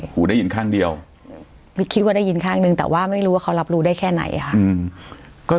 หูได้ยินข้างเดียวไม่คิดว่าได้ยินข้างนึงแต่ว่าไม่รู้ว่าเขารับรู้ได้แค่ไหนค่ะ